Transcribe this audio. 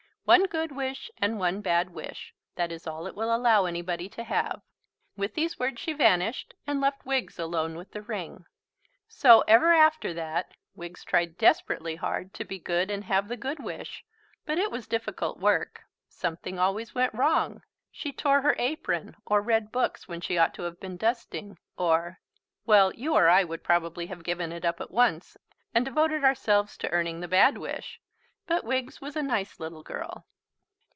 One good wish and one bad wish that is all it will allow anybody to have." With these words she vanished and left Wiggs alone with the ring. So, ever after that, Wiggs tried desperately hard to be good and have the good wish, but it was difficult work. Something always went wrong; she tore her apron or read books when she ought to have been dusting, or Well, you or I would probably have given it up at once, and devoted ourselves to earning the bad wish. But Wiggs was a nice little girl.